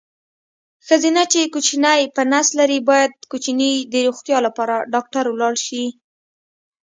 ښځېنه چې کوچینی په نس لري باید کوچیني د روغتیا لپاره ډاکټر ولاړ شي.